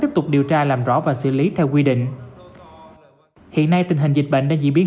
tiếp tục điều tra làm rõ và xử lý theo quy định hiện nay tình hình dịch bệnh đang diễn biến